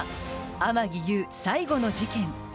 天樹悠、最後の事件。